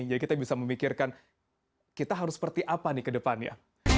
jadi kita bisa memikirkan kita harus seperti apa nih ke depannya